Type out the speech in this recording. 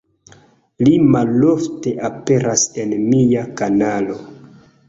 Li malofte aperas en mia kanalo